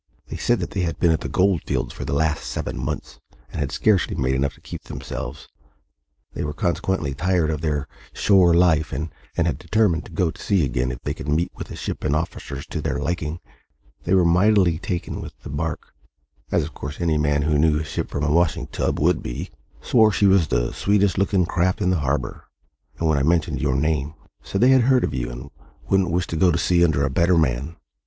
They said that they had been at the gold fields for the last seven months, and had scarcely made enough to keep themselves; they were consequently tired of their shore life, and had determined to go to sea again if they could meet with a ship and officers to their liking. They were mightily taken with the barque as of course any man who knew a ship from a washing tub would be swore she was the sweetest looking craft in the harbour; and, when I mentioned your name, said they had heard of you and wouldn't wish to go to sea under a better man.